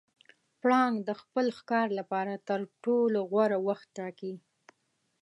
پړانګ د خپل ښکار لپاره تر ټولو غوره وخت ټاکي.